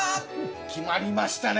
決まりましたね